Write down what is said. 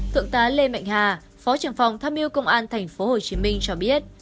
thượng tá lê mạnh hà phó trưởng phòng tham mưu công an tp hcm cho biết